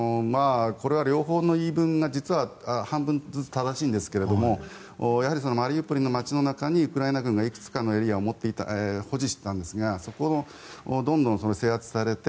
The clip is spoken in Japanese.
これは両方の言い分が実は半分ずつ正しいんですがやはりマリウポリの街の中にウクライナ軍がいくつかのエリアを保持していたんですがそこをどんどん制圧されて